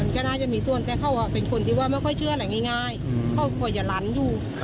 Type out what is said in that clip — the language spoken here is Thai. ก็น่าจะมีส่วนแต่เขาเป็นคนที่ว่าไม่ค่อยเชื่ออะไรง่ายเขาก็อย่าลันอยู่